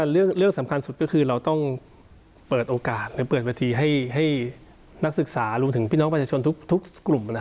เรื่องสำคัญสุดก็คือเราต้องเปิดโอกาสไปเปิดเวทีให้นักศึกษารวมถึงพี่น้องประชาชนทุกกลุ่ม